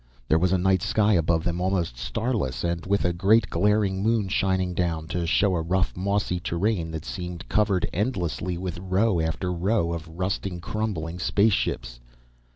There was a night sky above them, almost starless, and with a great, glaring moon shining down, to show a rough, mossy terrain that seemed covered endlessly with row after row of rusting, crumbling spaceships.